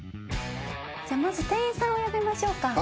まず店員さんを呼びましょうか。